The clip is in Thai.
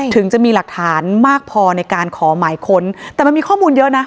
ถึงจะมีหลักฐานมากพอในการขอหมายค้นแต่มันมีข้อมูลเยอะนะ